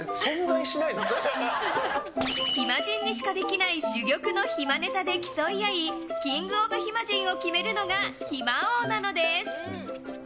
暇人にしかできない珠玉の暇ネタで競い合いキングオブ暇人を決めるのが暇王なのです。